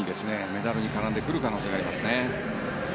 メダルに絡んでくる可能性がありますね。